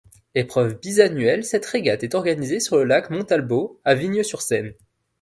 Épreuve bisannuelle, cette régate est organisée sur le lac Montalbot, à Vigneux-sur-Seine.